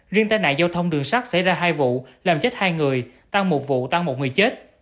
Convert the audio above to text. riêng tai nạn giao thông đường sắt xảy ra hai vụ làm chết hai người tăng một vụ tăng một người chết